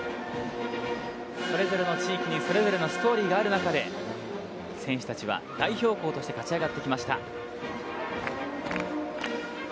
それぞれの地域にそれぞれのストーリーがある中で、選手たちは代表校として勝ち上がってきました。